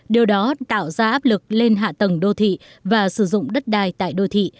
điều đó tạo ra áp lực lên hạ tầng đô thị và sử dụng đất đai tại đô thị